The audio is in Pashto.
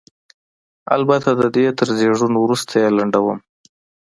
البته د دې تر زېږون وروسته یې لنډوم.